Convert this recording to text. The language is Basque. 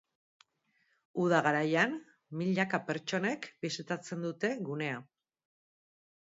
Uda garaian milaka pertsonek bisitatzen dute gunea.